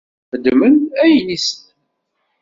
Xedmen ayen i ssnen.